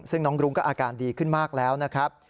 ซึ่งน้องรุ้งก็อาการดีขึ้นมากแล้วนะครับ